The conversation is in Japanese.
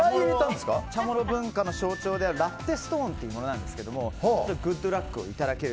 チャモロ文化の象徴であるラッテストーンというものですがグッドラックをいただける。